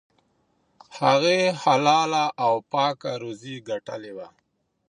هغې حلاله او پاکه روزي ګټلې وه.